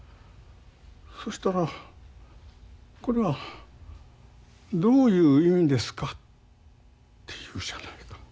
そしたら「これはどういう意味ですか」って言うじゃないか。